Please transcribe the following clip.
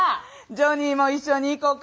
ジョニーも一緒に行こか。